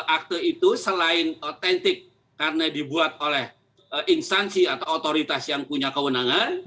akte itu selain otentik karena dibuat oleh instansi atau otoritas yang punya kewenangan